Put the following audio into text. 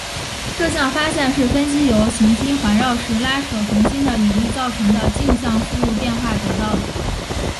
这项发现是分析由行星环绕时拉扯恒星的引力造成的径向速度变化得到的。